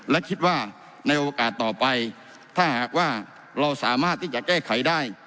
และคิดว่าในโอกาสต่อไปถ้าหากว่าเราสามารถที่จะแก้ไขได้